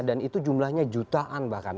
dan itu jumlahnya jutaan bahkan